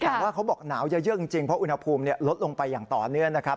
แต่ว่าเขาบอกหนาวเยอะจริงเพราะอุณหภูมิลดลงไปอย่างต่อเนื่องนะครับ